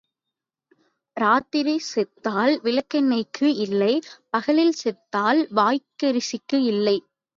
இராத்திரி செத்தால் விளக்கெண்ணெய்க்கு இல்லை பகலில் செத்தால் வாய்க்கரிசிக்கு இல்லை.